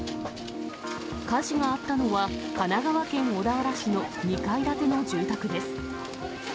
火事があったのは、神奈川県小田原市の２階建ての住宅です。